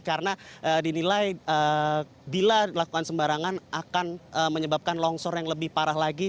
karena dinilai bila dilakukan sembarangan akan menyebabkan longsor yang lebih parah lagi